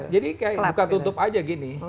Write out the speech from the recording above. jadi kayak buka tutup aja gini